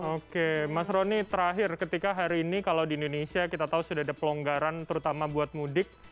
oke mas roni terakhir ketika hari ini kalau di indonesia kita tahu sudah ada pelonggaran terutama buat mudik